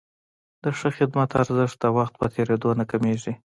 د ښه خدمت ارزښت د وخت په تېرېدو نه کمېږي.